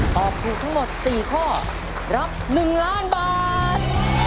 ตอบถูกทั้งหมด๔ข้อรับ๑ล้านบาท